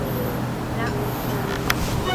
ら